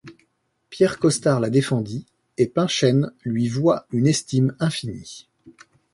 Pierre Costar la défendit et Pinchesne lui voua une estime infinie.